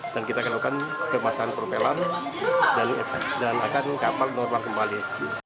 dan kita akan lakukan kemasan propeller dan akan kapal berlari kembali